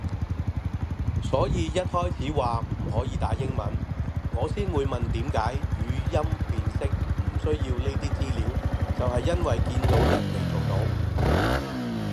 所以一開始話唔可以打英文，我先會問點解語音辨識唔需要呢啲資料就係因為見人哋做到